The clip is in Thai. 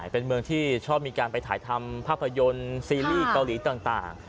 เป็นเมืองที่ชอบมีการไปถ่ายทำภาพยนตร์ซีรีส์เกาหลีต่าง